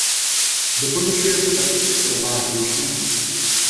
Doporučuje se také při chorobách žlučníku.